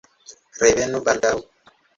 Revenu baldaŭ!